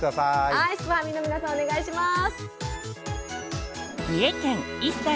はいすくファミの皆さんお願いします。